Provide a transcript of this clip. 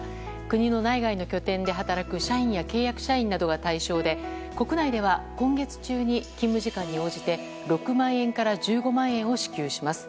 国の内外の拠点で働く社員や契約社員などが対象で国内では今月中に勤務時間に応じて６万円から１５万円を支給します。